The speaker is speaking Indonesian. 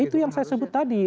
itu yang saya sebut tadi